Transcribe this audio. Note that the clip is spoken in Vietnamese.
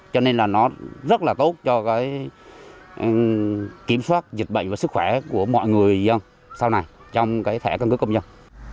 cho nên là nó rất là tốt cho kiểm soát dịch bệnh và sức khỏe của mọi người sau này trong thẻ căn cứ công dân